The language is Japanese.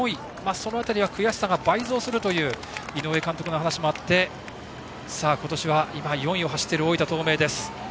その辺りは悔しさが倍増するという井上監督の話もあって今年は今、４位を走っている大分東明です。